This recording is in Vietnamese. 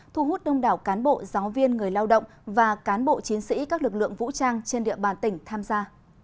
thu hút đông đảo cán bộ giáo viên người lao động và cán bộ chiến sĩ các lực lượng vũ trang trên địa bàn tỉnh tham gia